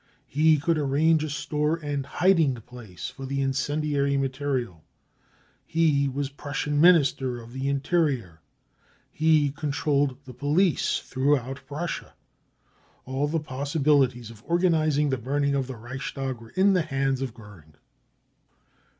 He could arrange a store and hiding place for the incendiary material. He was Prussian Minister of the Interior. He controlled the police throughout Prussia. All the possibilities of organising the burning of the Reichstag were in the hands of Goering.